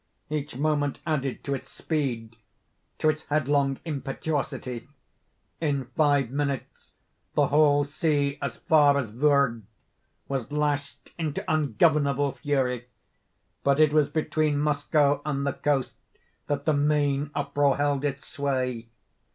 Each moment added to its speed—to its headlong impetuosity. In five minutes the whole sea, as far as Vurrgh, was lashed into ungovernable fury; but it was between Moskoe and the coast that the main uproar held its sway.